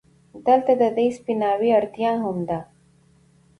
دلته د دې سپيناوي اړتيا هم ده،